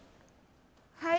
はい。